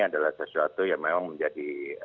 adalah sesuatu yang memang menjadi